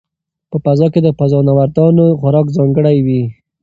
په فضا کې د فضانوردانو خوراک ځانګړی وي.